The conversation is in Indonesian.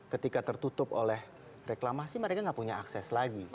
ketika tertutup oleh reklamasi mereka tidak punya akses